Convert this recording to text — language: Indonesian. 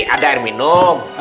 ada air minum